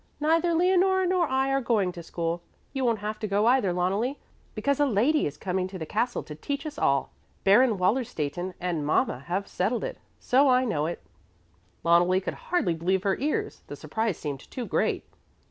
"Neither Leonore nor I are going to school. You won't have to go either, Loneli, because a lady is coming to the castle to teach us all. Baron Wallerstätten and mama have settled it, so I know it." Loneli could hardly believe her ears, the surprise seemed too great.